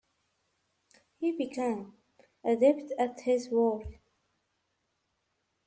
He became adept at his work.